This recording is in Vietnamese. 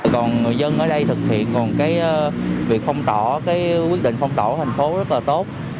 còn người dân ở đây thực hiện còn cái việc phong tỏa quyết định phong tỏa thành phố rất là tốt